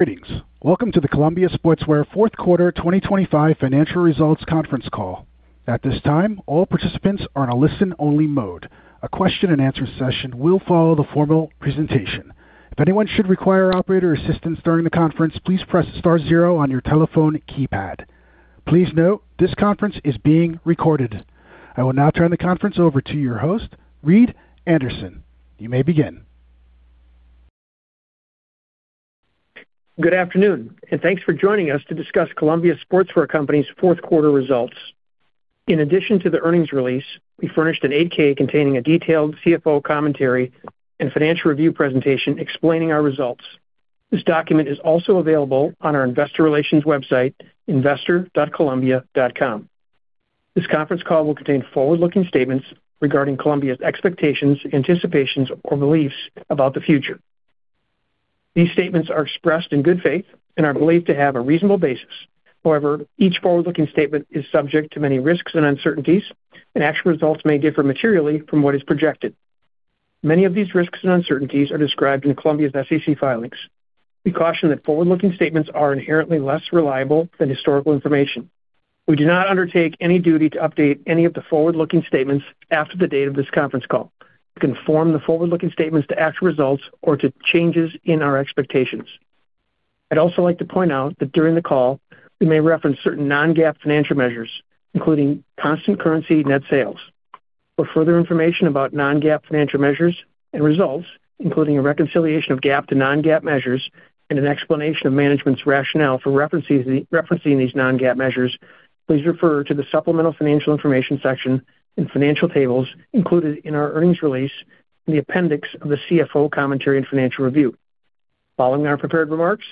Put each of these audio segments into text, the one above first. Greetings. Welcome to the Columbia Sportswear Fourth Quarter 2025 Financial Results conference call. At this time, all participants are on a listen-only mode. A question-and-answer session will follow the formal presentation. If anyone should require operator assistance during the conference, please press star zero on your telephone keypad. Please note, this conference is being recorded. I will now turn the conference over to your host, Reed Anderson. You may begin. Good afternoon, and thanks for joining us to discuss Columbia Sportswear Company's Fourth Quarter results. In addition to the earnings release, we furnished an 8-K containing a detailed CFO commentary and financial review presentation explaining our results. This document is also available on our investor relations website, investor.columbia.com. This conference call will contain forward-looking statements regarding Columbia's expectations, anticipations, or beliefs about the future. These statements are expressed in good faith and are believed to have a reasonable basis. However, each forward-looking statement is subject to many risks and uncertainties, and actual results may differ materially from what is projected. Many of these risks and uncertainties are described in Columbia's SEC filings. We caution that forward-looking statements are inherently less reliable than historical information. We do not undertake any duty to update any of the forward-looking statements after the date of this conference call, to conform the forward-looking statements to actual results or to changes in our expectations. I'd also like to point out that during the call, we may reference certain non-GAAP financial measures, including constant currency net sales. For further information about non-GAAP financial measures and results, including a reconciliation of GAAP to non-GAAP measures and an explanation of management's rationale for referencing, referencing these non-GAAP measures, please refer to the supplemental financial information section and financial tables included in our earnings release in the appendix of the CFO commentary and financial review. Following our prepared remarks,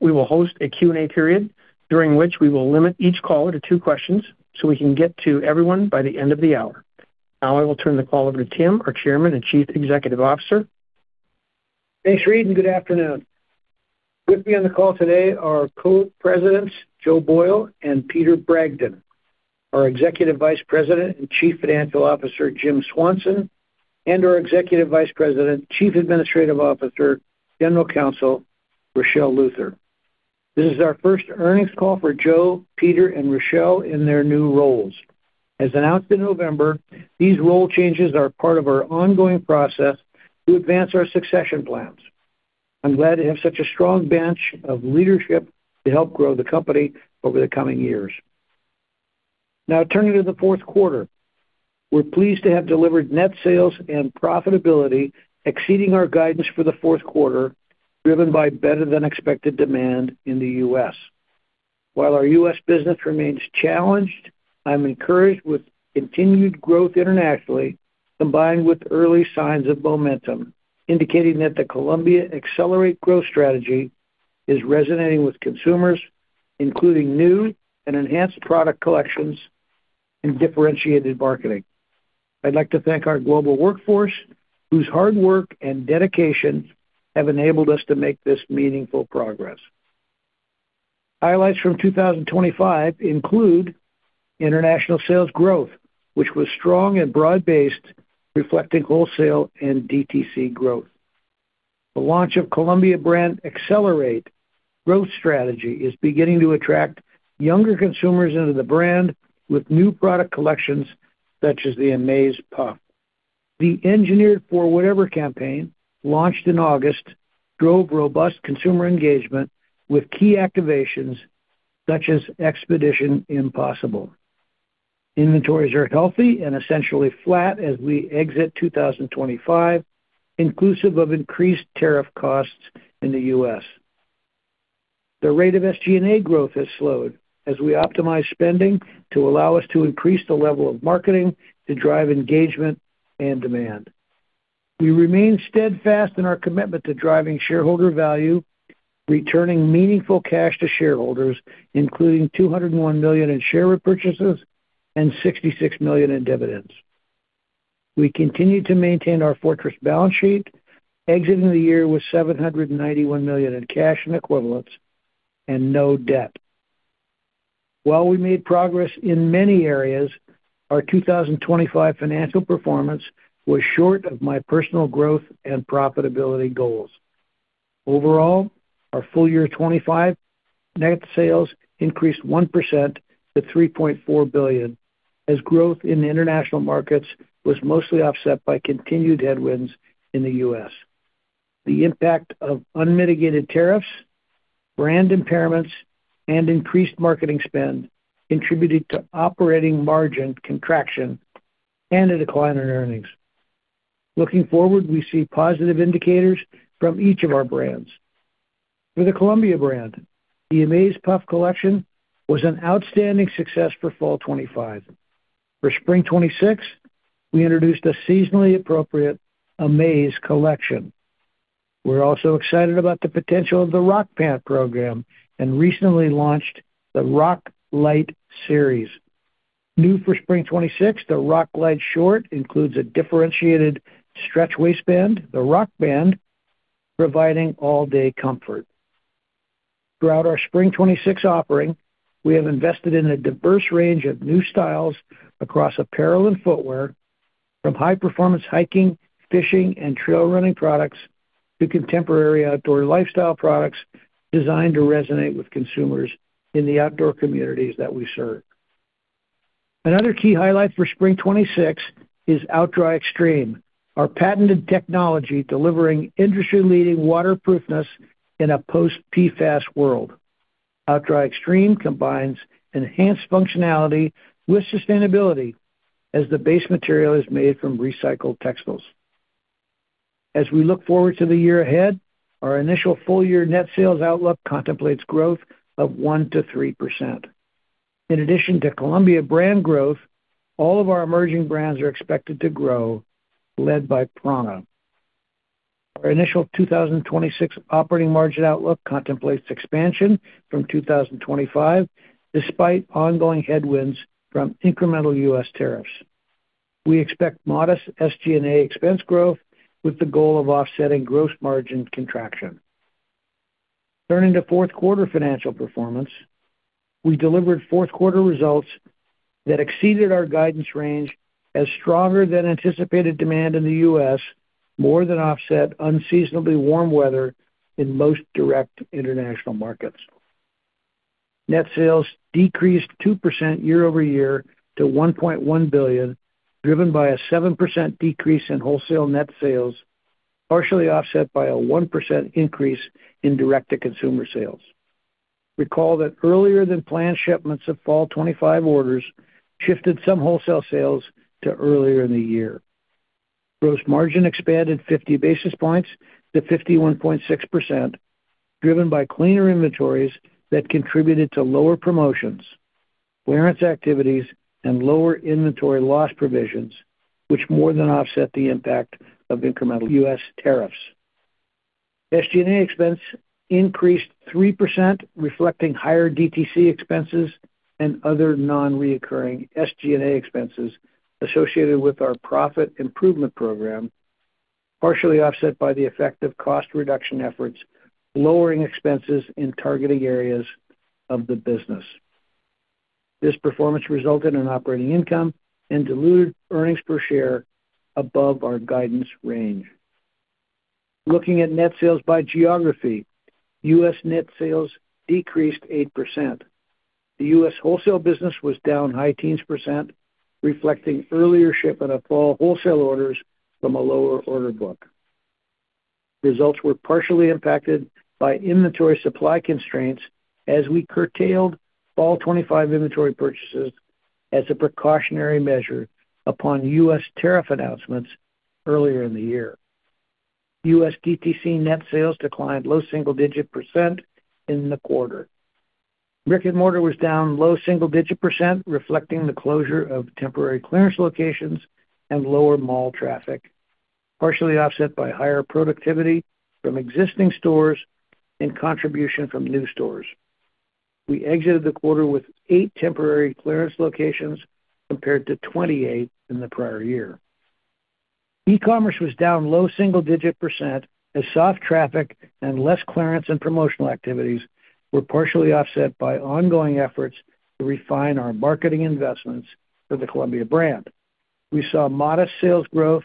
we will host a Q&A period, during which we will limit each caller to two questions, so we can get to everyone by the end of the hour. Now, I will turn the call over to Tim, our Chairman and Chief Executive Officer. Thanks, Reed, and good afternoon. With me on the call today are our Co-Presidents, Joe Boyle and Peter Bragdon, our Executive Vice President and Chief Financial Officer, Jim Swanson, and our Executive Vice President, Chief Administrative Officer, General Counsel, Richelle Luther. This is our first earnings call for Joe, Peter, and Richelle in their new roles. As announced in November, these role changes are part of our ongoing process to advance our succession plans. I'm glad to have such a strong bench of leadership to help grow the company over the coming years. Now, turning to the fourth quarter. We're pleased to have delivered net sales and profitability exceeding our guidance for the fourth quarter, driven by better-than-expected demand in the U.S. While our U.S. business remains challenged, I'm encouraged with continued growth internationally, combined with early signs of momentum, indicating that the Columbia Accelerate Growth Strategy is resonating with consumers, including new and enhanced product collections and differentiated marketing. I'd like to thank our global workforce, whose hard work and dedication have enabled us to make this meaningful progress. Highlights from 2025 include international sales growth, which was strong and broad-based, reflecting wholesale and DTC growth. The launch of Columbia Brand Accelerate Growth Strategy is beginning to attract younger consumers into the brand with new product collections, such as the Amaze Puff. The Engineered for Whatever campaign, launched in August, drove robust consumer engagement with key activations, such as Expedition Impossible. Inventories are healthy and essentially flat as we exit 2025, inclusive of increased tariff costs in the U.S. The rate of SG&A growth has slowed as we optimize spending to allow us to increase the level of marketing to drive engagement and demand. We remain steadfast in our commitment to driving shareholder value, returning meaningful cash to shareholders, including $201 million in share repurchases and $66 million in dividends. We continue to maintain our fortress balance sheet, exiting the year with $791 million in cash and equivalents and no debt. While we made progress in many areas, our 2025 financial performance was short of my personal growth and profitability goals. Overall, our full year 2025 net sales increased 1% to $3.4 billion, as growth in the international markets was mostly offset by continued headwinds in the U.S. The impact of unmitigated tariffs, brand impairments, and increased marketing spend contributed to operating margin contraction and a decline in earnings. Looking forward, we see positive indicators from each of our brands. For the Columbia brand, the Amaze Puff collection was an outstanding success for Fall 2025. For Spring 2026, we introduced a seasonally appropriate Amaze collection. We're also excited about the potential of the ROC Pant program and recently launched the ROC Lite series. New for Spring 2026, the ROC Lite Short includes a differentiated stretch waistband, the ROC Band, providing all-day comfort. Throughout our Spring 2026 offering, we have invested in a diverse range of new styles across apparel and footwear, from high-performance hiking, fishing, and trail running products to contemporary outdoor lifestyle products designed to resonate with consumers in the outdoor communities that we serve. Another key highlight for Spring 2026 is OutDry Extreme, our patented technology delivering industry-leading waterproofness in a post-PFAS world. OutDry Extreme combines enhanced functionality with sustainability as the base material is made from recycled textiles. As we look forward to the year ahead, our initial full-year net sales outlook contemplates growth of 1%-3%. In addition to Columbia brand growth, all of our emerging brands are expected to grow, led by prAna. Our initial 2026 operating margin outlook contemplates expansion from 2025, despite ongoing headwinds from incremental U.S. tariffs. We expect modest SG&A expense growth with the goal of offsetting gross margin contraction. Turning to fourth quarter financial performance, we delivered fourth quarter results that exceeded our guidance range as stronger than anticipated demand in the U.S. more than offset unseasonably warm weather in most direct international markets. Net sales decreased 2% year-over-year to $1.1 billion, driven by a 7% decrease in wholesale net sales, partially offset by a 1% increase in direct-to-consumer sales. Recall that earlier-than-planned shipments of Fall 2025 orders shifted some wholesale sales to earlier in the year. Gross margin expanded 50 basis points to 51.6%, driven by cleaner inventories that contributed to lower promotions, clearance activities, and lower inventory loss provisions, which more than offset the impact of incremental U.S. tariffs. SG&A expense increased 3%, reflecting higher DTC expenses and other non-recurring SG&A expenses associated with our profit improvement program, partially offset by the effect of cost reduction efforts, lowering expenses in targeted areas of the business. This performance resulted in operating income and diluted earnings per share above our guidance range. Looking at net sales by geography, U.S. net sales decreased 8%. The U.S. wholesale business was down high teens percent, reflecting earlier shipment of Fall wholesale orders from a lower order book. Results were partially impacted by inventory supply constraints as we curtailed Fall 2025 inventory purchases as a precautionary measure upon U.S. tariff announcements earlier in the year. U.S. DTC net sales declined low-single digit percent in the quarter. Brick-and-mortar was down low-single digit percent, reflecting the closure of temporary clearance locations and lower mall traffic, partially offset by higher productivity from existing stores and contribution from new stores. We exited the quarter with 8 temporary clearance locations, compared to 28 in the prior year. E-commerce was down low-single digit percent, as soft traffic and less clearance and promotional activities were partially offset by ongoing efforts to refine our marketing investments for the Columbia brand. We saw modest sales growth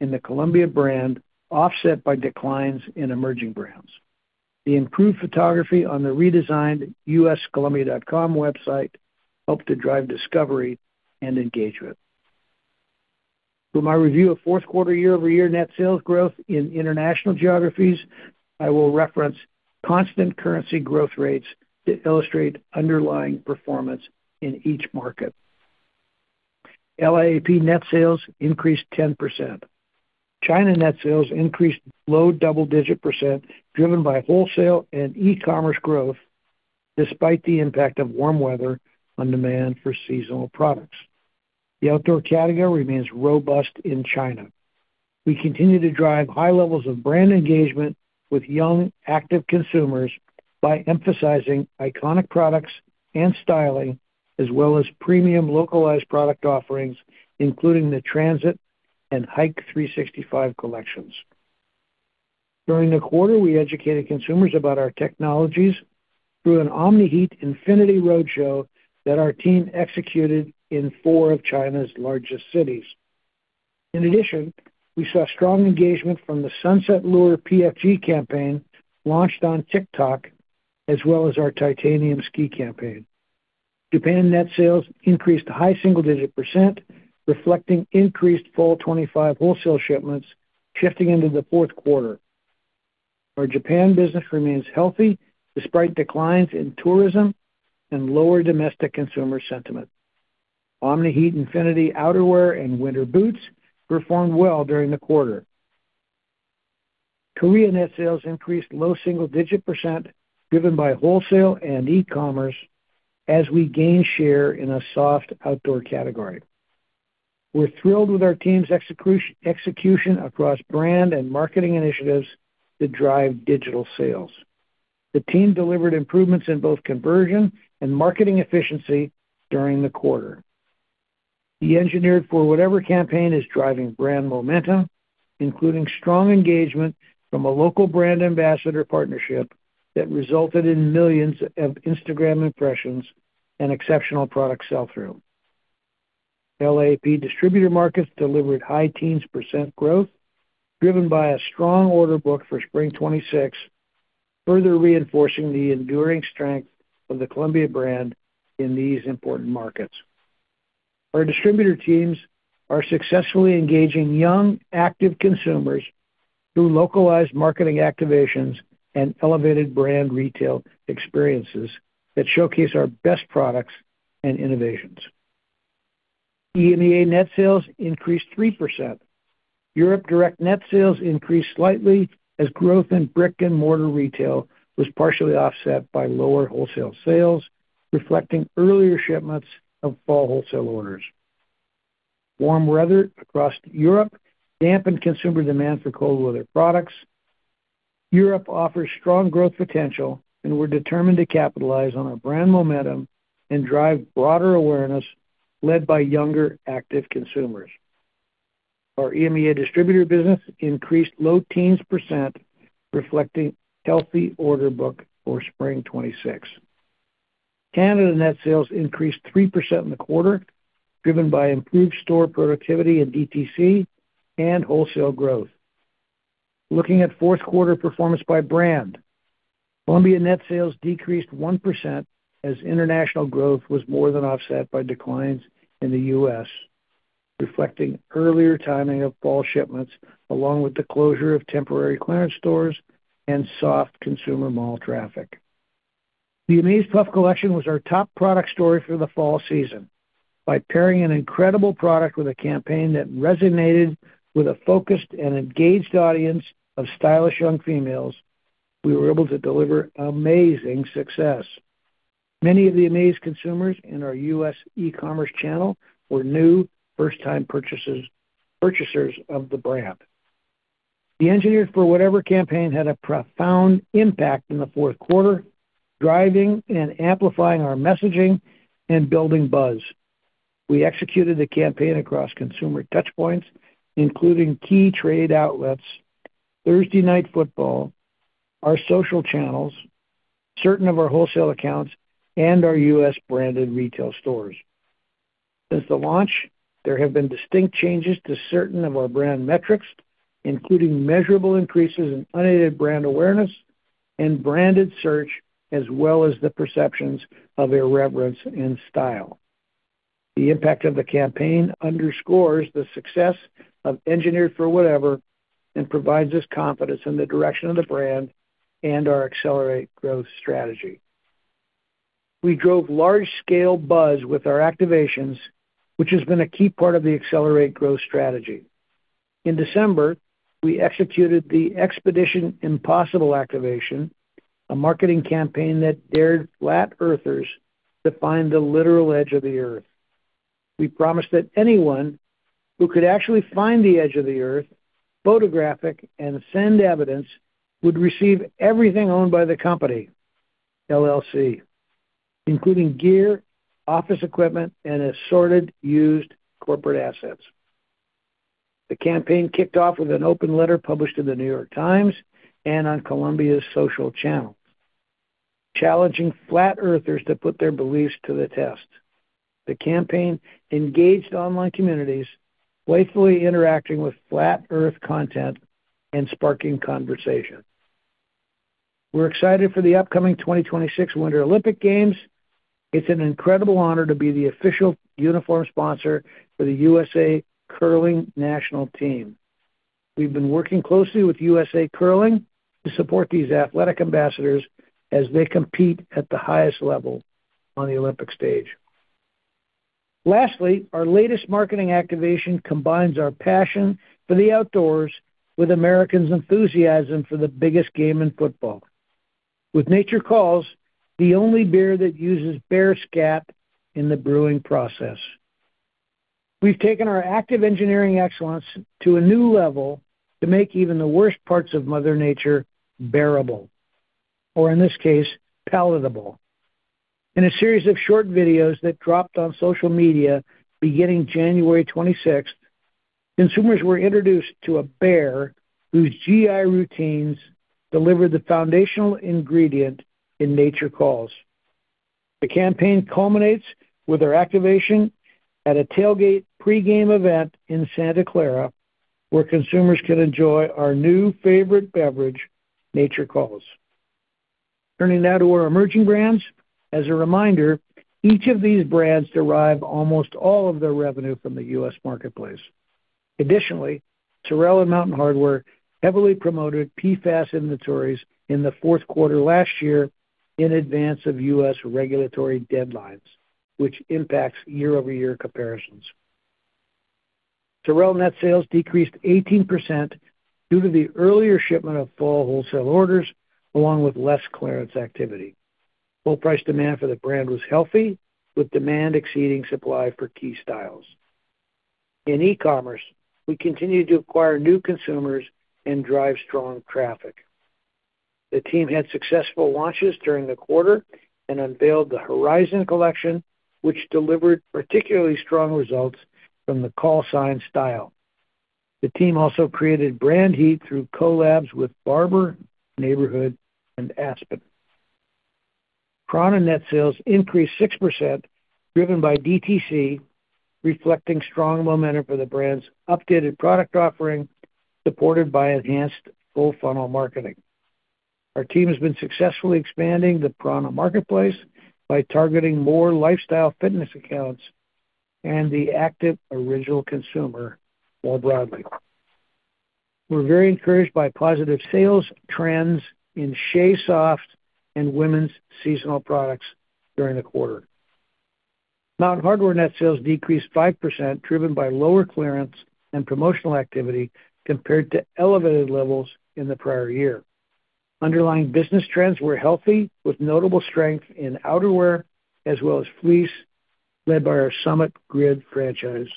in the Columbia brand, offset by declines in emerging brands. The improved photography on the redesigned us.columbia.com website helped to drive discovery and engagement. For my review of fourth quarter year-over-year net sales growth in international geographies, I will reference constant currency growth rates that illustrate underlying performance in each market. LAAP net sales increased 10%. China net sales increased low-double-digit percent, driven by wholesale and e-commerce growth, despite the impact of warm weather on demand for seasonal products. The outdoor category remains robust in China. We continue to drive high levels of brand engagement with young, active consumers by emphasizing iconic products and styling, as well as premium localized product offerings, including the Transit and Hike 365 collections. During the quarter, we educated consumers about our technologies through an Omni-Heat Infinity Roadshow that our team executed in four of China's largest cities. In addition, we saw strong engagement from the Sunset Lure PFG campaign, launched on TikTok, as well as our Titanium ski campaign. Japan net sales increased high-single digit percent, reflecting increased Fall 2025 wholesale shipments shifting into the fourth quarter. Our Japan business remains healthy despite declines in tourism and lower domestic consumer sentiment. Omni-Heat Infinity outerwear and winter boots performed well during the quarter. Korea net sales increased low-single digit percent, driven by wholesale and e-commerce as we gain share in a soft outdoor category. We're thrilled with our team's execution across brand and marketing initiatives that drive digital sales. The team delivered improvements in both conversion and marketing efficiency during the quarter. The Engineered for Whatever campaign is driving brand momentum, including strong engagement from a local brand ambassador partnership that resulted in millions of Instagram impressions... and exceptional product sell-through. LAAP distributor markets delivered high teens percent growth, driven by a strong order book for Spring 2026, further reinforcing the enduring strength of the Columbia brand in these important markets. Our distributor teams are successfully engaging young, active consumers through localized marketing activations and elevated brand retail experiences that showcase our best products and innovations. EMEA net sales increased 3%. Europe direct net sales increased slightly as growth in brick-and-mortar retail was partially offset by lower wholesale sales, reflecting earlier shipments of fall wholesale orders. Warm weather across Europe dampened consumer demand for cold weather products. Europe offers strong growth potential, and we're determined to capitalize on our brand momentum and drive broader awareness, led by younger, active consumers. Our EMEA distributor business increased low teens%, reflecting healthy order book for spring 2026. Canada net sales increased 3% in the quarter, driven by improved store productivity in DTC and wholesale growth. Looking at fourth quarter performance by brand, Columbia net sales decreased 1%, as international growth was more than offset by declines in the US, reflecting earlier timing of fall shipments, along with the closure of temporary clearance stores and soft consumer mall traffic. The Amaze Puff Collection was our top product story for the fall season. By pairing an incredible product with a campaign that resonated with a focused and engaged audience of stylish young females, we were able to deliver amazing success. Many of the Amaze consumers in our U.S. e-commerce channel were new, first-time purchasers, purchasers of the brand. The Engineered for Whatever campaign had a profound impact in the fourth quarter, driving and amplifying our messaging and building buzz. We executed the campaign across consumer touchpoints, including key trade outlets, Thursday Night Football, our social channels, certain of our wholesale accounts, and our U.S. branded retail stores. Since the launch, there have been distinct changes to certain of our brand metrics, including measurable increases in unaided brand awareness and branded search, as well as the perceptions of irreverence and style. The impact of the campaign underscores the success of Engineered for Whatever and provides us confidence in the direction of the brand and our accelerate growth strategy. We drove large-scale buzz with our activations, which has been a key part of the accelerate growth strategy. In December, we executed the Expedition Impossible activation, a marketing campaign that dared Flat Earthers to find the literal edge of the Earth. We promised that anyone who could actually find the edge of the Earth, photograph and send evidence, would receive everything owned by the Company, LLC, including gear, office equipment, and assorted used corporate assets. The campaign kicked off with an open letter published in The New York Times and on Columbia's social channels, challenging Flat Earthers to put their beliefs to the test. The campaign engaged online communities, playfully interacting with flat Earth content and sparking conversation. We're excited for the upcoming 2026 Winter Olympic Games. It's an incredible honor to be the official uniform sponsor for the USA Curling National Team. We've been working closely with USA Curling to support these athletic ambassadors as they compete at the highest level on the Olympic stage. Lastly, our latest marketing activation combines our passion for the outdoors with Americans' enthusiasm for the biggest game in football. With Nature Calls, the only beer that uses bear scat in the brewing process. We've taken our active engineering excellence to a new level to make even the worst parts of Mother Nature bearable, or in this case, palatable. In a series of short videos that dropped on social media beginning January 26th, consumers were introduced to a bear whose GI routines delivered the foundational ingredient in Nature Calls. The campaign culminates with our activation at a tailgate pregame event in Santa Clara, where consumers can enjoy our new favorite beverage, Nature Calls. Turning now to our emerging brands. As a reminder, each of these brands derive almost all of their revenue from the U.S. marketplace. Additionally, Sorel and Mountain Hardwear heavily promoted PFAS inventories in the fourth quarter last year in advance of U.S. regulatory deadlines, which impacts year-over-year comparisons. Sorel net sales decreased 18% due to the earlier shipment of fall wholesale orders, along with less clearance activity. Full price demand for the brand was healthy, with demand exceeding supply for key styles. In e-commerce, we continued to acquire new consumers and drive strong traffic. The team had successful launches during the quarter and unveiled the Horizon collection, which delivered particularly strong results from the Carson style. The team also created brand heat through collabs with Barbour, Neighborhood, and Aspen. Prana net sales increased 6%, driven by DTC, reflecting strong momentum for the brand's updated product offering, supported by enhanced full funnel marketing. Our team has been successfully expanding the Prana marketplace by targeting more lifestyle fitness accounts and the active outdoor consumer more broadly. We're very encouraged by positive sales trends in Shea Soft and women's seasonal products during the quarter. Mountain Hardwear net sales decreased 5%, driven by lower clearance and promotional activity compared to elevated levels in the prior year. Underlying business trends were healthy, with notable strength in outerwear as well as fleece, led by our Summit Grid franchise.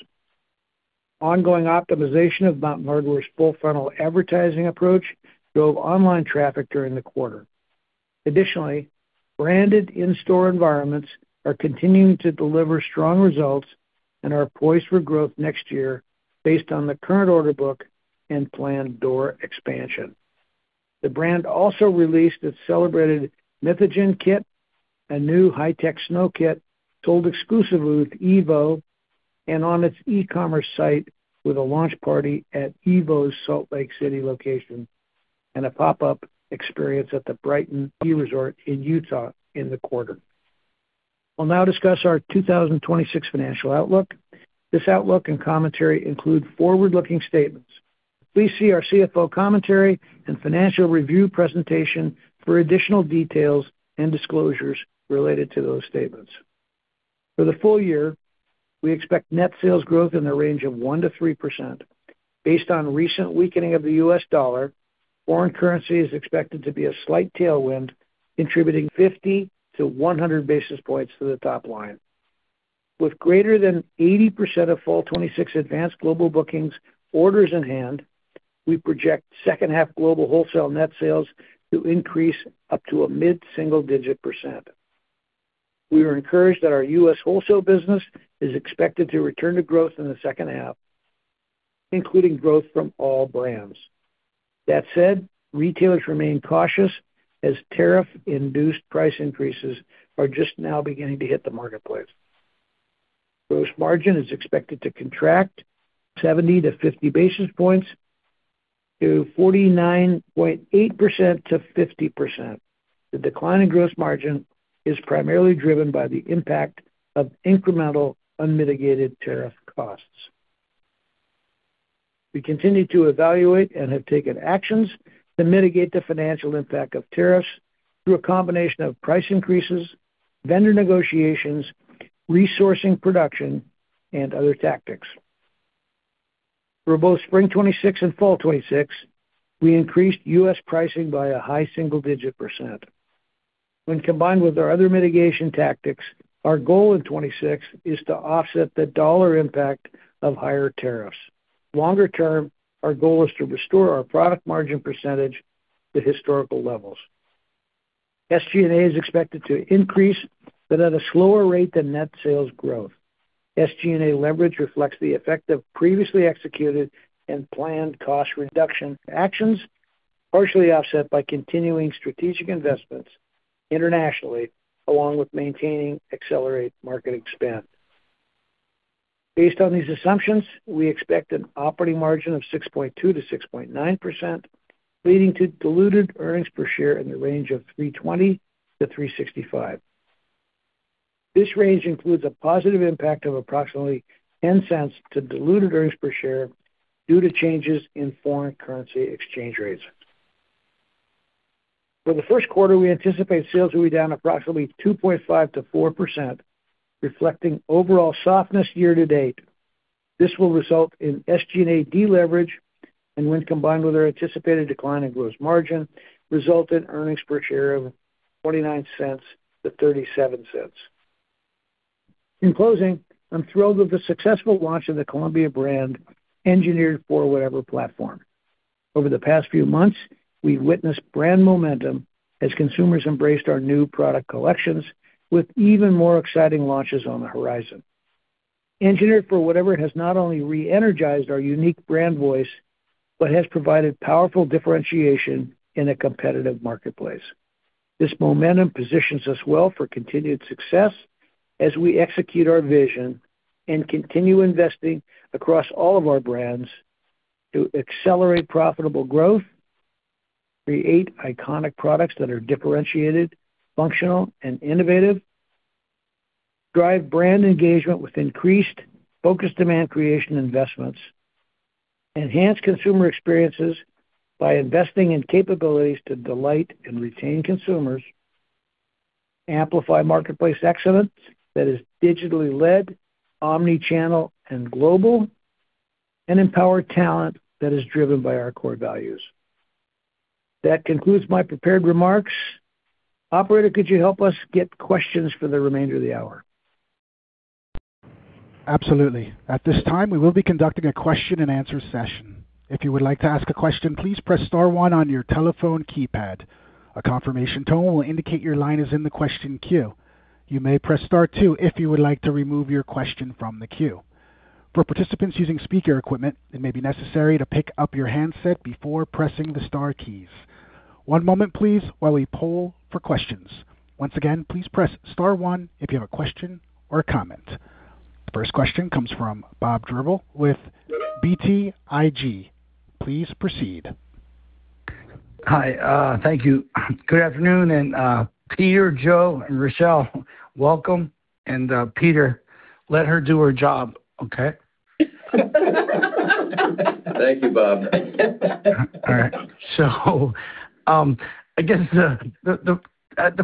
Ongoing optimization of Mountain Hardwear's full funnel advertising approach drove online traffic during the quarter. Additionally, branded in-store environments are continuing to deliver strong results and are poised for growth next year based on the current order book and planned door expansion. The brand also released its celebrated Mythogen kit, a new high-tech snow kit sold exclusively with evo and on its e-commerce site, with a launch party at evo's Salt Lake City location and a pop-up experience at the Brighton Ski Resort in Utah in the quarter. I'll now discuss our 2026 financial outlook. This outlook and commentary include forward-looking statements. Please see our CFO commentary and financial review presentation for additional details and disclosures related to those statements. For the full year, we expect net sales growth in the range of 1%-3%. Based on recent weakening of the U.S. dollar, foreign currency is expected to be a slight tailwind, contributing 50 basis points-100 basis points to the top line. With greater than 80% of Fall 2016 advanced global bookings orders in hand, we project second half global wholesale net sales to increase up to a mid-single digit percent. We are encouraged that our U.S. wholesale business is expected to return to growth in the second half, including growth from all brands. That said, retailers remain cautious as tariff-induced price increases are just now beginning to hit the marketplace. Gross margin is expected to contract 70 basis points to 50 basis points to 49.8%-50%. The decline in gross margin is primarily driven by the impact of incremental unmitigated tariff costs. We continue to evaluate and have taken actions to mitigate the financial impact of tariffs through a combination of price increases, vendor negotiations, resourcing production, and other tactics. For both Spring 2026 and Fall 2026, we increased U.S. pricing by a high-single digit percent. When combined with our other mitigation tactics, our goal in 2026 is to offset the dollar impact of higher tariffs. Longer term, our goal is to restore our product margin percentage to historical levels. SG&A is expected to increase, but at a slower rate than net sales growth. SG&A leverage reflects the effect of previously executed and planned cost reduction actions, partially offset by continuing strategic investments internationally, along with maintaining accelerated market spend. Based on these assumptions, we expect an operating margin of 6.2%-6.9%, leading to diluted earnings per share in the range of $3.20-$3.65. This range includes a positive impact of approximately $0.10 to diluted earnings per share due to changes in foreign currency exchange rates. For the first quarter, we anticipate sales will be down approximately 2.5%-4%, reflecting overall softness year-to-date. This will result in SG&A deleverage, and when combined with our anticipated decline in gross margin, result in earnings per share of $0.29-$0.37. In closing, I'm thrilled with the successful launch of the Columbia brand, Engineered for Whatever platform. Over the past few months, we've witnessed brand momentum as consumers embraced our new product collections, with even more exciting launches on the horizon. Engineered for Whatever has not only reenergized our unique brand voice, but has provided powerful differentiation in a competitive marketplace. This momentum positions us well for continued success as we execute our vision and continue investing across all of our brands to accelerate profitable growth, create iconic products that are differentiated, functional, and innovative, drive brand engagement with increased focus demand creation investments, enhance consumer experiences by investing in capabilities to delight and retain consumers, amplify marketplace excellence that is digitally led, omni-channel and global, and empower talent that is driven by our core values. That concludes my prepared remarks. Operator, could you help us get questions for the remainder of the hour? Absolutely. At this time, we will be conducting a question-and-answer session. If you would like to ask a question, please press star one on your telephone keypad. A confirmation tone will indicate your line is in the question queue. You may press star two if you would like to remove your question from the queue. For participants using speaker equipment, it may be necessary to pick up your handset before pressing the star keys. One moment, please, while we poll for questions. Once again, please press star one if you have a question or a comment. The first question comes from Bob Drbul with BTIG. Please proceed. Hi, thank you. Good afternoon, and Peter, Joe, and Richelle, welcome. Peter, let her do her job, okay? Thank you, Bob. All right. I guess the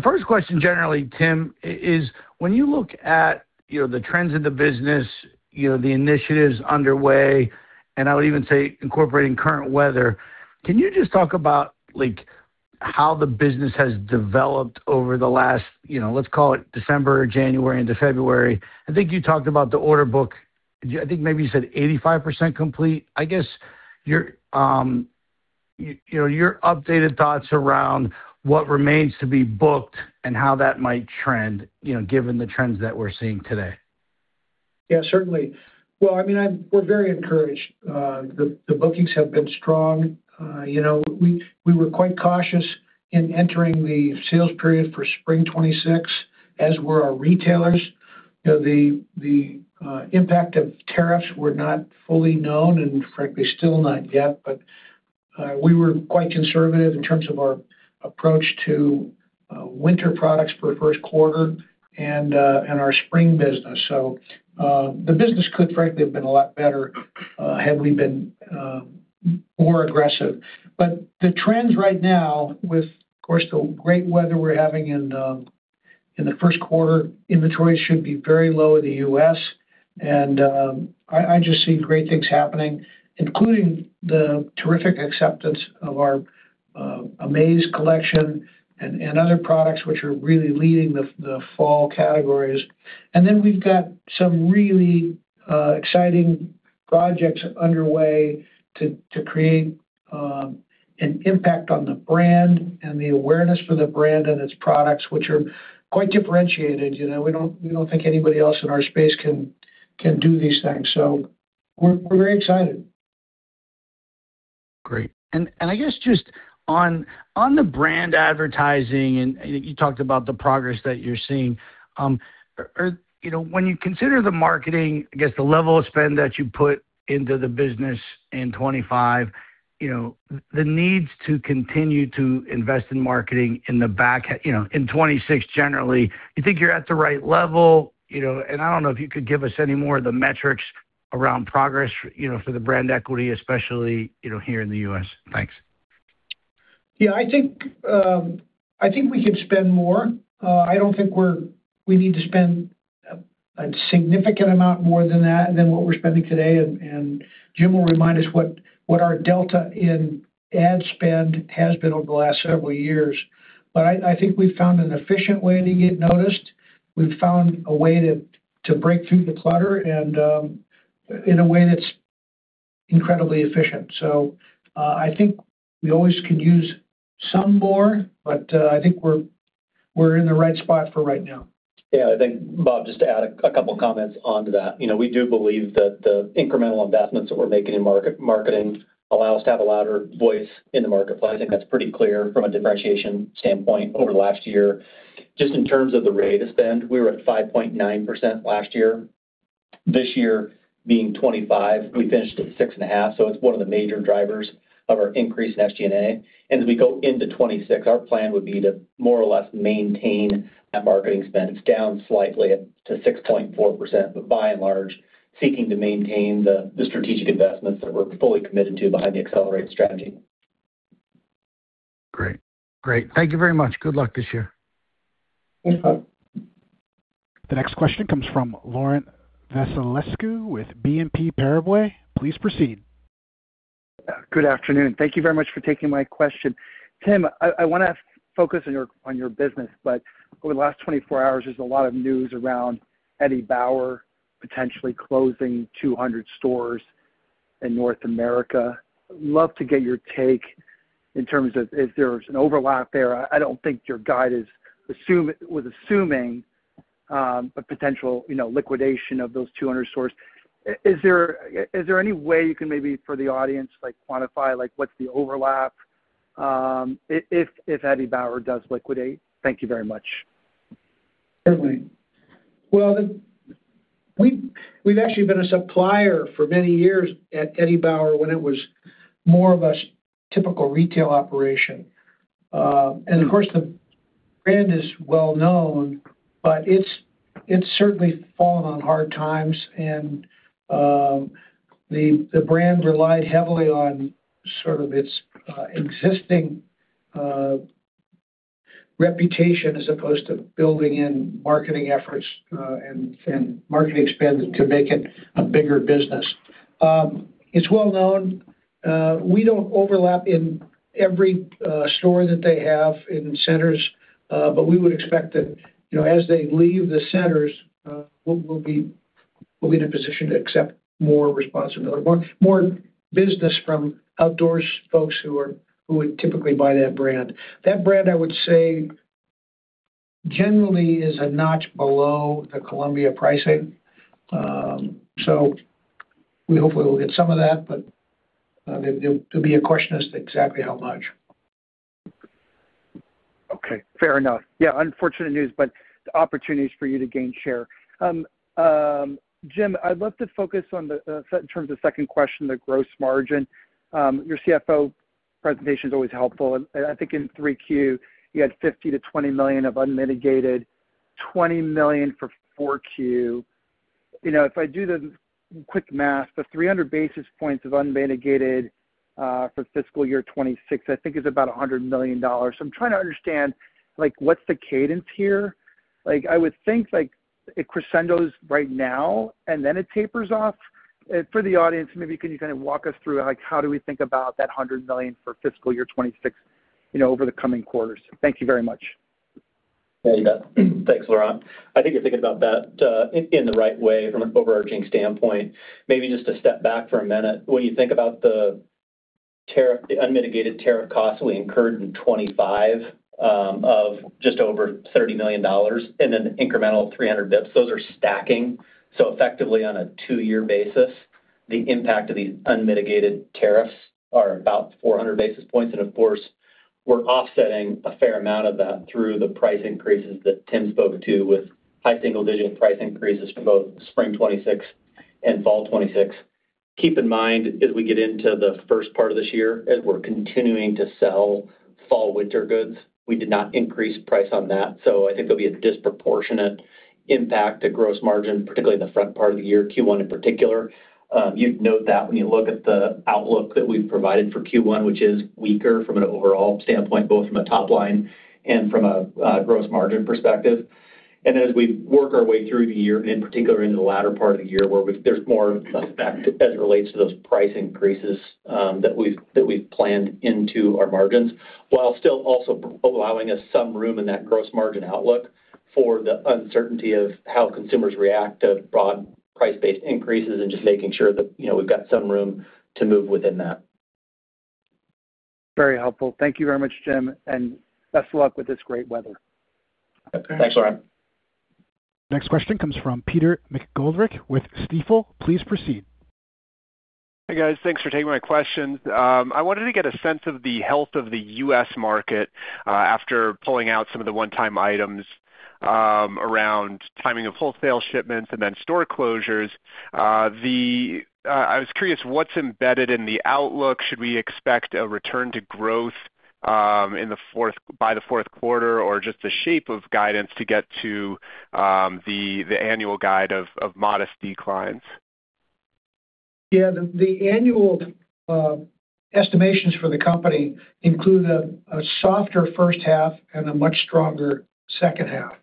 first question generally, Tim, is when you look at, you know, the trends in the business, you know, the initiatives underway, and I would even say incorporating current weather, can you just talk about, like, how the business has developed over the last, you know, let's call it December, January into February? I think you talked about the order book. I think maybe you said 85% complete. I guess your updated thoughts around what remains to be booked and how that might trend, you know, given the trends that we're seeing today? Yeah, certainly. Well, I mean, we're very encouraged. The bookings have been strong. You know, we were quite cautious in entering the sales period for Spring 2026, as were our retailers. You know, the impact of tariffs were not fully known, and frankly, still not yet. We were quite conservative in terms of our approach to winter products for the first quarter and our Spring business. The business could frankly have been a lot better had we been more aggressive. The trends right now with, of course, the great weather we're having in the first quarter, inventory should be very low in the U.S. I just see great things happening, including the terrific acceptance of our Amaze collection and other products, which are really leading the fall categories. Then we've got some really exciting projects underway to create an impact on the brand and the awareness for the brand and its products, which are quite differentiated. You know, we don't think anybody else in our space can do these things, so we're very excited. Great. I guess just on the brand advertising, and you talked about the progress that you're seeing. You know, when you consider the marketing, I guess, the level of spend that you put into the business in 2025, you know, the needs to continue to invest in marketing in the back, you know, in 2026 generally. You think you're at the right level, you know, and I don't know if you could give us any more of the metrics around progress, you know, for the brand equity, especially, you know, here in the U.S.? Thanks. Yeah, I think we could spend more. I don't think we need to spend a significant amount more than that, than what we're spending today. Jim will remind us what our delta in ad spend has been over the last several years. I think we've found an efficient way to get noticed. We've found a way to break through the clutter and in a way that's incredibly efficient. I think we always could use some more, but I think we're in the right spot for right now. Yeah, I think, Bob, just to add a couple comments onto that. You know, we do believe that the incremental investments that we're making in marketing allow us to have a louder voice in the marketplace. I think that's pretty clear from a differentiation standpoint over the last year. Just in terms of the rate of spend, we were at 5.9% last year. This year, being 2025, we finished at 6.5%, so it's one of the major drivers of our increase in SG&A. As we go into 2026, our plan would be to more or less maintain that marketing spend. It's down slightly to 6.4%, but by and large, seeking to maintain the strategic investments that we're fully committed to behind the accelerate strategy. Great. Thank you very much. Good luck this year. Thanks, Bob. The next question comes from Laurent Vasilescu with BNP Paribas. Please proceed. Good afternoon. Thank you very much for taking my question. Tim, I wanna focus on your business, but over the last 24 hours, there's a lot of news around Eddie Bauer potentially closing 200 stores in North America. Love to get your take in terms of if there's an overlap there. I don't think your guide was assuming a potential, you know, liquidation of those 200 stores. Is there any way you can maybe, for the audience, like, quantify, like, what's the overlap, if Eddie Bauer does liquidate? Thank you very much. Certainly. Well, we've actually been a supplier for many years at Eddie Bauer when it was more of a typical retail operation. Of course, the brand is well-known, but it's certainly fallen on hard times and the brand relied heavily on sort of its existing reputation as opposed to building in marketing efforts and marketing spend to make it a bigger business. It's well-known. We don't overlap in every store that they have in centers, but we would expect that, you know, as they leave the centers. We'll be in a position to accept more responsibility, more business from outdoors folks who would typically buy that brand. That brand, I would say, generally is a notch below the Columbia pricing. We hopefully will get some of that, but there'll be a question as to exactly how much. Okay, fair enough. Yeah, unfortunate news, but the opportunities for you to gain share. Jim, I'd love to focus on the, in terms of second question, the gross margin. Your CFO presentation is always helpful, and I think in 3Q, you had $50 million-$20 million of unmitigated, $20 million for 4Q. You know, if I do the quick math, the 300 basis points of unmitigated, for fiscal year 2026, I think, is about $100 million. I'm trying to understand, like, what's the cadence here? Like, I would think, like, it crescendos right now, and then it tapers off. For the audience, maybe can you kind of walk us through, like, how do we think about that $100 million for fiscal year 2026, you know, over the coming quarters? Thank you very much. Yeah. Thanks, Laurent. I think you're thinking about that, in the right way from an overarching standpoint. Maybe just to step back for a minute. When you think about the tariff, the unmitigated tariff costs we incurred in 2025, of just over $30 million and an incremental 300 basis points, those are stacking. Effectively, on a two-year basis, the impact of these unmitigated tariffs are about 400 basis points. Of course, we're offsetting a fair amount of that through the price increases that Tim spoke to, with high-single digit price increases for both Spring 2026 and Fall 2026. Keep in mind, as we get into the first part of this year, as we're continuing to sell Fall/Winter goods, we did not increase price on that. I think there'll be a disproportionate impact to gross margin, particularly in the front part of the year, Q1 in particular. You'd note that when you look at the outlook that we've provided for Q1, which is weaker from an overall standpoint, both from a top line and from a gross margin perspective. As we work our way through the year, in particular in the latter part of the year, where there's more effect as it relates to those price increases that we've planned into our margins. While still also allowing us some room in that gross margin outlook, for the uncertainty of how consumers react to broad price-based increases and just making sure that, you know, we've got some room to move within that. Very helpful. Thank you very much, Jim, and best of luck with this great weather. Thanks, Laurent. Next question comes from Peter McGoldrick with Stifel. Please proceed. Hi, guys. Thanks for taking my questions. I wanted to get a sense of the health of the U.S. market, after pulling out some of the one-time items, around timing of wholesale shipments and then store closures. I was curious, what's embedded in the outlook? Should we expect a return to growth, in the fourth quarter, or just the shape of guidance to get to, the annual guide of modest declines? Yeah, the annual estimations for the company include a softer first half and a much stronger second half.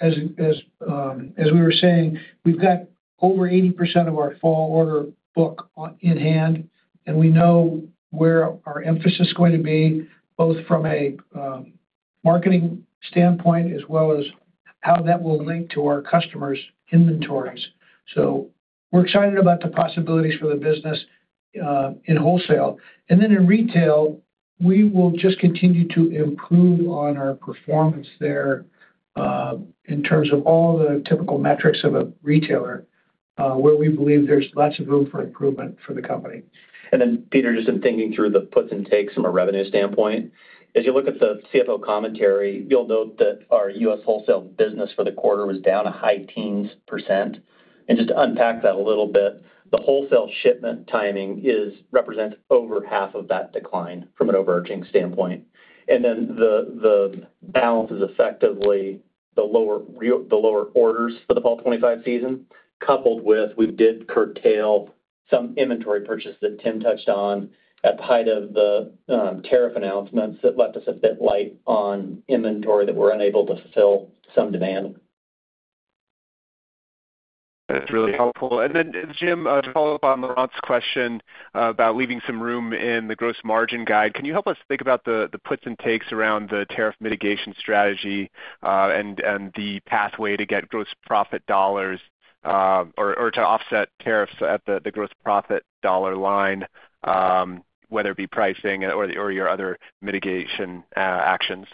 As we were saying, we've got over 80% of our Fall order book in hand, and we know where our emphasis is going to be, both from a marketing standpoint, as well as how that will link to our customers' inventories. We're excited about the possibilities for the business in wholesale. Then in retail, we will just continue to improve on our performance there in terms of all the typical metrics of a retailer where we believe there's lots of room for improvement for the company. Then, Peter, just in thinking through the puts and takes from a revenue standpoint, as you look at the CFO commentary, you'll note that our U.S. wholesale business for the quarter was down a high teens%. Just to unpack that a little bit, the wholesale shipment timing represents over half of that decline from an overarching standpoint. Then the balance is effectively the lower orders for the Fall 2025 season, coupled with we did curtail some inventory purchases that Tim touched on at the height of the tariff announcements. That left us a bit light on inventory that we're unable to fulfill some demand. That's really helpful. Then, Jim, to follow up on Laurent's question about leaving some room in the gross margin guide, can you help us think about the puts and takes around the tariff mitigation strategy? The pathway to get gross profit dollars, or to offset tariffs at the gross profit dollar line, whether it be pricing or your other mitigation actions?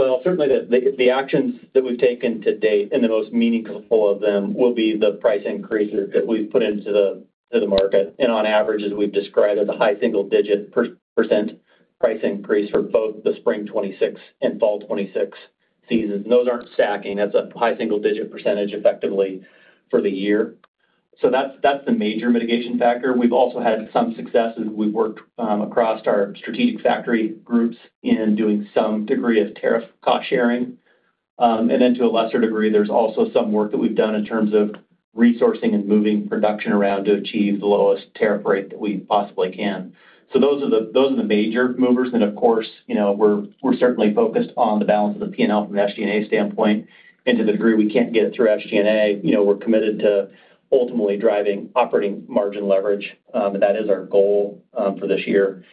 Well, certainly the actions that we've taken to date, and the most meaningful of them, will be the price increases that we've put into the market. On average, as we've described, as a high-single digit percent price increase for both the Spring 2026 and Fall 2026 seasons. Those aren't stacking. That's a high-single digit percentage effectively for the year. That's the major mitigation factor. We've also had some successes. We've worked across our strategic factory groups in doing some degree of tariff cost sharing. Then to a lesser degree, there's also some work that we've done in terms of resourcing and moving production around to achieve the lowest tariff rate that we possibly can. Those are the major movers. Of course, you know, we're certainly focused on the balance of the P&L from an SG&A standpoint, and to the degree we can't get it through SG&A, you know, we're committed to ultimately driving operating margin leverage. That is our goal for this year.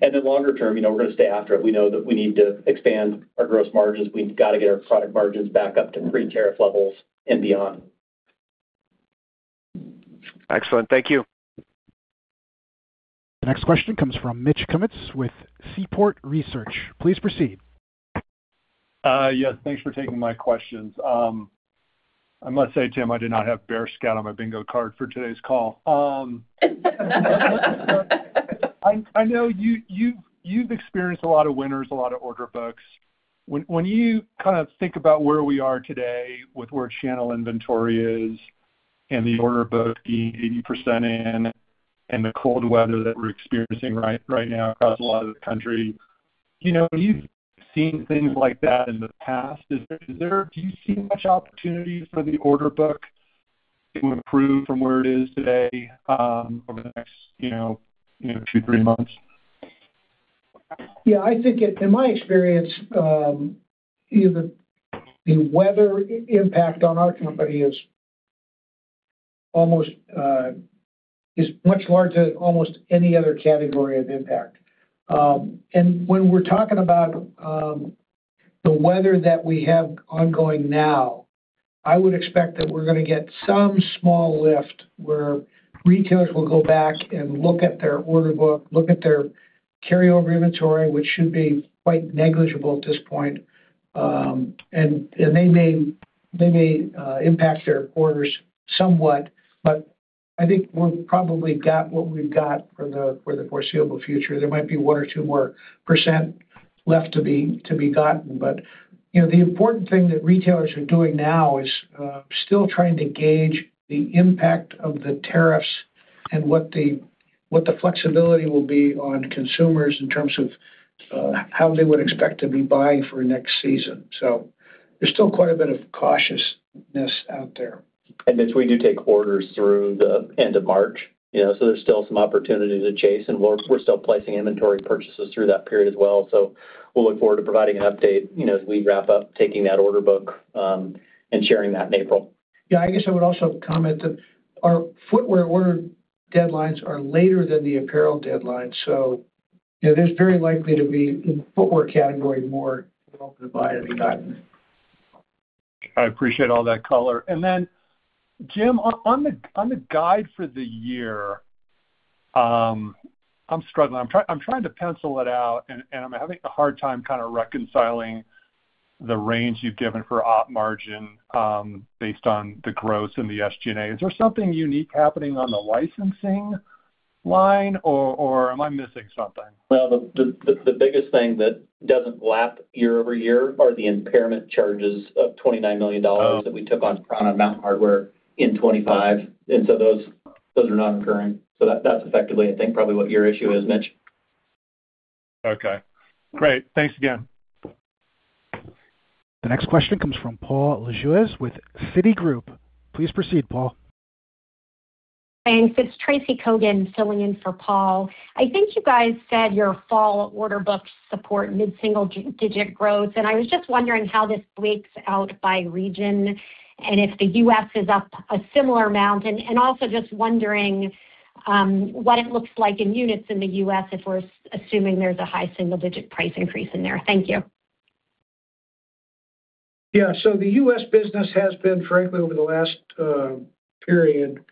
Then longer term, you know, we're gonna stay after it. We know that we need to expand our gross margins. We've got to get our product margins back up to pre-tariff levels and beyond. Excellent. Thank you. The next question comes from Mitch Kummetz with Seaport Global. Please proceed. Yes, thanks for taking my questions. I must say, Tim, I did not have Bear Scat on my bingo card for today's call. I know you, you've experienced a lot of winners, a lot of order books. When you kind of think about where we are today with where channel inventory is and the order book being 80% in, and the cold weather that we're experiencing right now across a lot of the country, you know, you've seen things like that in the past. Do you see much opportunity for the order book to improve from where it is today, over the next, you know, two, three months? Yeah, I think it, in my experience, you know, the weather impact on our company is much larger than almost any other category of impact. When we're talking about the weather that we have ongoing now, I would expect that we're gonna get some small lift, where retailers will go back and look at their order book, look at their carryover inventory, which should be quite negligible at this point. They may impact their orders somewhat, but I think we've probably got what we've got for the foreseeable future. There might be 1 or 2 more percent left to be, to be gotten, but, you know, the important thing that retailers are doing now is still trying to gauge the impact of the tariffs. What the, what the flexibility will be on consumers in terms of how they would expect to be buying for next season. There's still quite a bit of cautiousness out there. Mitch, we do take orders through the end of March, you know, so there's still some opportunity to chase, and we're, we're still placing inventory purchases through that period as well. We'll look forward to providing an update, you know, as we wrap up, taking that order book, and sharing that in April. Yeah, I guess I would also comment that our footwear order deadlines are later than the apparel deadlines, so, you know, there's very likely to be, in the footwear category, more to buy and be gotten. I appreciate all that color. Then, Jim, on the guide for the year, I'm struggling. I'm trying to pencil it out, and I'm having a hard time kind of reconciling the range you've given for op margin, based on the gross and the SG&A. Is there something unique happening on the licensing line, or am I missing something? Well, the biggest thing that doesn't lap year-over-year are the impairment charges of $29 million- Oh. -that we took on, on Mountain Hardwear in 2025, and so those, those are not occurring. That, that's effectively, I think, probably what your issue is, Mitch. Okay, great. Thanks again. The next question comes from Paul Lejuez with Citigroup. Please proceed, Paul. Thanks. It's Tracy Kogan filling in for Paul. I think you guys said your Fall order books support mid-single digit growth, and I was just wondering how this breaks out by region, and if the U.S. is up a similar amount. Also just wondering what it looks like in units in the U.S., if we're assuming there's a high-single digit price increase in there? Thank you. Yeah. The U.S. business has been, frankly, over the last period,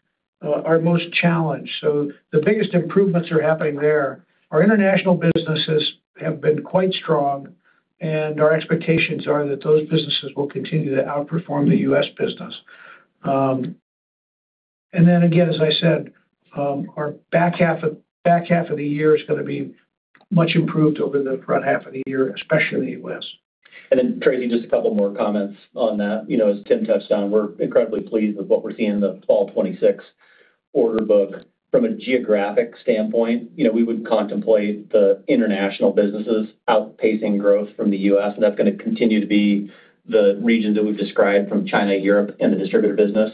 our most challenged, so the biggest improvements are happening there. Our international businesses have been quite strong, and our expectations are that those businesses will continue to outperform the U.S. business. Then again, as I said, our back half of the year is gonna be much improved over the front half of the year, especially in the U.S. Then, Tracy, just a couple more comments on that. You know, as Tim touched on, we're incredibly pleased with what we're seeing in the Fall 2026 order book. From a geographic standpoint, you know, we would contemplate the international businesses outpacing growth from the U.S., and that's gonna continue to be the regions that we've described from China, Europe, and the distributor business.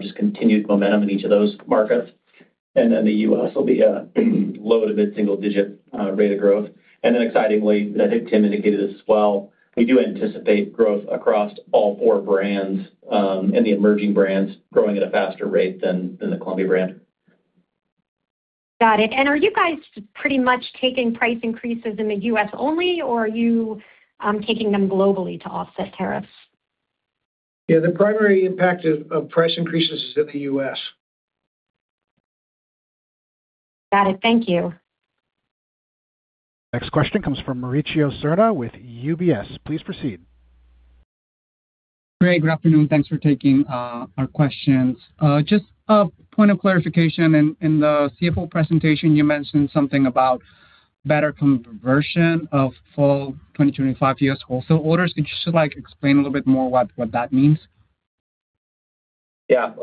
Just continued momentum in each of those markets. Then the U.S. will be a low- to mid-single digit rate of growth. Then excitingly, and I think Tim indicated as well, we do anticipate growth across all four brands, and the emerging brands growing at a faster rate than the Columbia brand. Got it. Are you guys pretty much taking price increases in the U.S. only, or are you taking them globally to offset tariffs? Yeah, the primary impact of price increases is in the U.S. Got it. Thank you. Next question comes from Mauricio Serna with UBS. Please proceed. Great, good afternoon. Thanks for taking our questions. Just a point of clarification. In the CFO presentation, you mentioned something about better conversion of Fall 2025 U.S. wholesale orders. Could you just, like, explain a little bit more what that means? Yeah,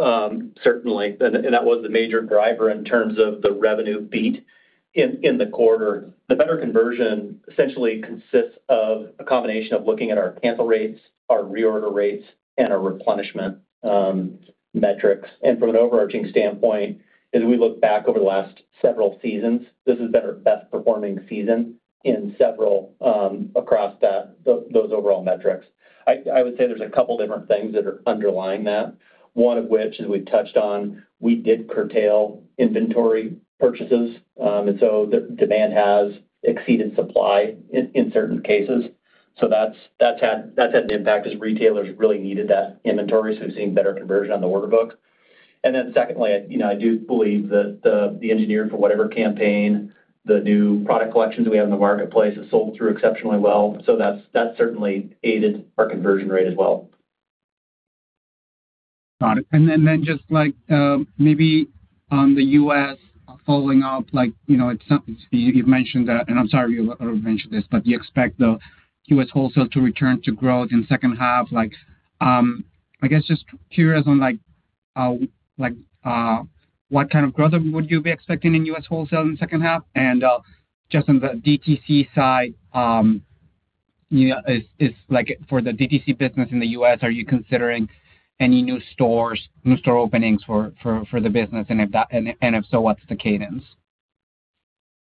certainly, and that was the major driver in terms of the revenue beat in the quarter. The better conversion essentially consists of a combination of looking at our cancel rates, our reorder rates, and our replenishment metrics. From an overarching standpoint, as we look back over the last several seasons, this has been our best performing season in several across those overall metrics. I would say there's a couple different things that are underlying that. One of which, as we've touched on, we did curtail inventory purchases, and so the demand has exceeded supply in certain cases. That's had an impact as retailers really needed that inventory, so we've seen better conversion on the order book. Then secondly, you know, I do believe that the Engineered for Whatever campaign, the new product collections we have in the marketplace, has sold through exceptionally well. That's certainly aided our conversion rate as well. Got it. Then, then just like, maybe on the U.S. following up, like, you know, it's something you've mentioned that, and I'm sorry you already mentioned this, but you expect the U.S. wholesale to return to growth in second half. Like, I guess just curious on like, what kind of growth would you be expecting in U.S. wholesale in the second half? Just on the DTC side, you know, is like for the DTC business in the US, are you considering any new stores, new store openings for the business? What's the cadence?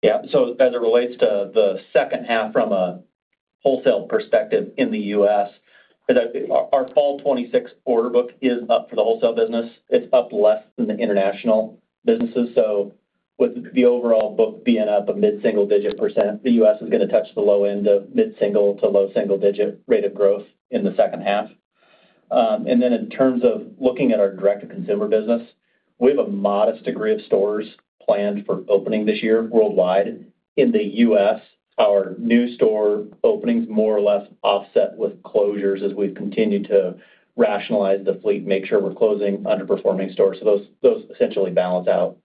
Yeah. As it relates to the second half from a wholesale perspective in the U.S., our Fall 2026 order book is up for the wholesale business. It's up less than the international businesses. With the overall book being up a mid-single digit percent, the U.S. is gonna touch the low end of mid-single- to low-single digit rate of growth in the second half. Then in terms of looking at our direct-to-consumer business, we have a modest degree of stores planned for opening this year worldwide. In the U.S., our new store openings more or less offset with closures as we've continued to rationalize the fleet, make sure we're closing underperforming stores. Those essentially balance out.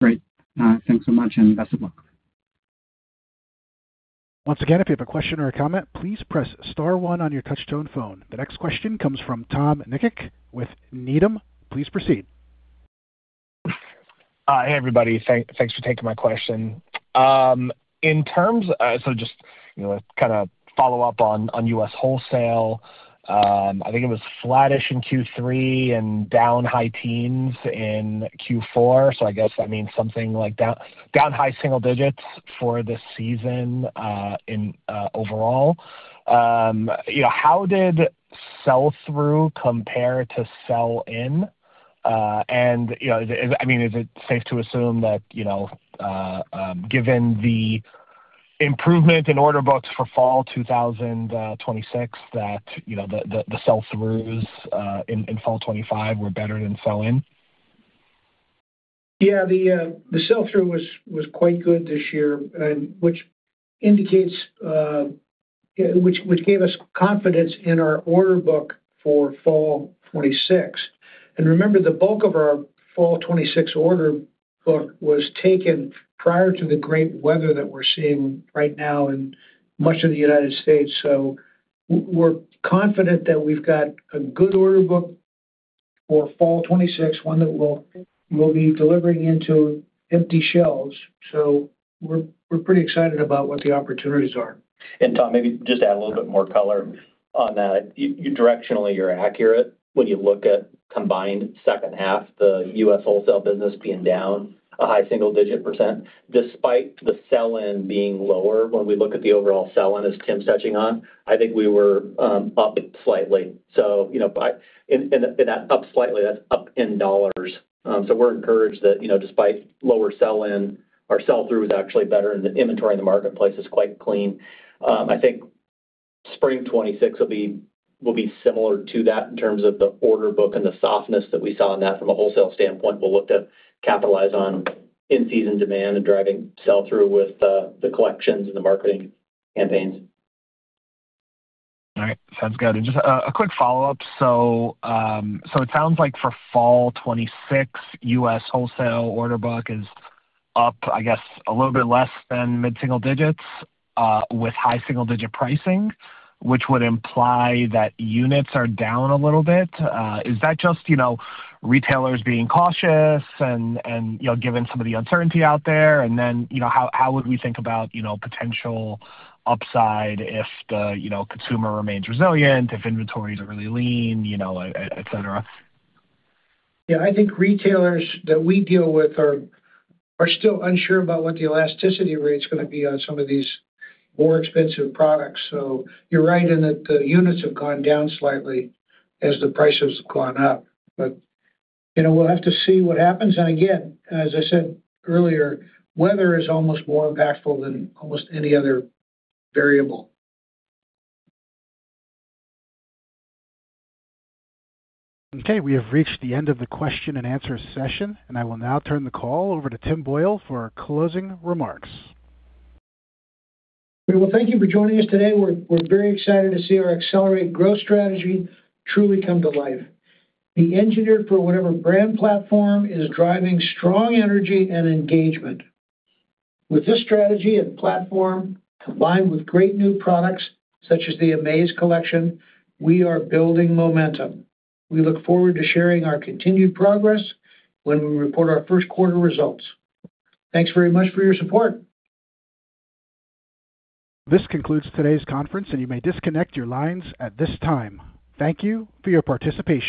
Great. Thanks so much, and best of luck. Once again, if you have a question or a comment, please press star one on your touchtone phone. The next question comes from Tom Nikic with Needham. Please proceed. Hey, everybody, thanks for taking my question. In terms, so just, you know, kind of follow up on, on U.S. wholesale, I think it was flattish in Q3 and down high teens in Q4. I guess that means something like down, down high-single digits for the season, in, overall. You know, how did sell-through compare to sell-in? You know, is it I mean, is it safe to assume that, you know, given the improvement in order books for Fall 2026, that, you know, the sell-throughs, in Fall 2025 were better than sell-in? Yeah, the sell-through was, was quite good this year, and which indicates, which gave us confidence in our order book for Fall 2026. Remember, the bulk of our Fall 2026 order book was taken prior to the great weather that we're seeing right now in much of the United States. We're confident that we've got a good order book for Fall 2026, one that we'll, we'll be delivering into empty shelves. We're pretty excited about what the opportunities are. Tom, maybe just add a little bit more color on that. You directionally, you're accurate when you look at combined second half, the U.S. wholesale business being down a high-single digit percent. Despite the sell-in being lower, when we look at the overall sell-in, as Tim's touching on, I think we were up slightly. You know, up slightly, that's up in dollars. We're encouraged that, you know, despite lower sell-in, our sell-through is actually better, and the inventory in the marketplace is quite clean. I think Spring 2026 will be, will be similar to that in terms of the order book and the softness that we saw in that from a wholesale standpoint. We'll look to capitalize on in-season demand and driving sell-through with the collections and the marketing campaigns. All right. Sounds good. Just a quick follow-up. It sounds like for Fall 2026, U.S. wholesale order book is up, I guess, a little bit less than mid-single digits, with high-single digit pricing, which would imply that units are down a little bit. Is that just, you know, retailers being cautious and, and, you know, given some of the uncertainty out there? Then, you know, how, how would we think about, you know, potential upside if the, you know, consumer remains resilient, if inventories are really lean, you know, et cetera? Yeah, I think retailers that we deal with are still unsure about what the elasticity rate is gonna be on some of these more expensive products. You're right in that the units have gone down slightly as the prices have gone up. You know, we'll have to see what happens. Again, as I said earlier, weather is almost more impactful than almost any other variable. Okay, we have reached the end of the question and answer session, and I will now turn the call over to Tim Boyle for closing remarks. Well, thank you for joining us today. We're very excited to see our accelerated growth strategy truly come to life. The Engineered for Whatever brand platform is driving strong energy and engagement. With this strategy and platform, combined with great new products such as the Amaze collection, we are building momentum. We look forward to sharing our continued progress when we report our first quarter results. Thanks very much for your support. This concludes today's conference, and you may disconnect your lines at this time. Thank you for your participation.